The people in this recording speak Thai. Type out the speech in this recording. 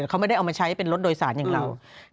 เขาไม่ได้เอามาใช้เป็นรถโดยสารอย่างเรา